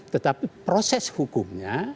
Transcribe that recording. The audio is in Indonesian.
tetapi proses hukumnya